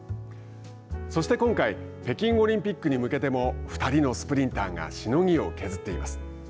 そして今回北京オリンピックに向けても２人のスプリンターがしのぎを削っています。